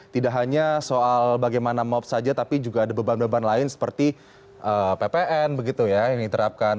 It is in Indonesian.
tidak hanya soal bagaimana mop saja tapi juga ada beban beban lain seperti ppn begitu ya yang diterapkan